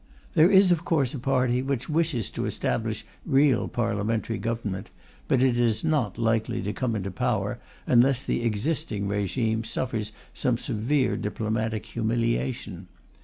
There is of course a party which wishes to establish real Parliamentary government, but it is not likely to come into power unless the existing régime suffers some severe diplomatic humiliation.